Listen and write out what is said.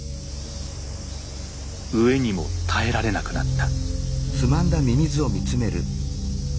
飢えにも耐えられなくなった。